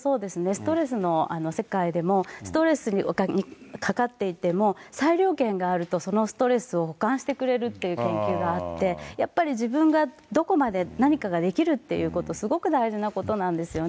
ストレスの世界でも、ストレスにかかっていても、裁量権があると、そのストレスをほかんしてくれるっていう研究があって、やっぱり、自分がどこまで何かができるっていうことはすごく大事なことなんですよね。